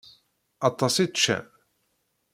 Aṭas i ččan?